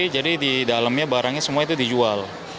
jadi di dalamnya barangnya semua itu dijual